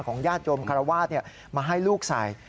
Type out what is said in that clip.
ญาติโยมคารวาสมาให้ลูกใส่